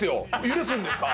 許すんですか？